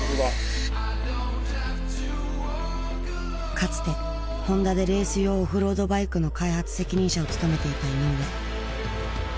かつてホンダでレース用オフロードバイクの開発責任者を務めていた井上。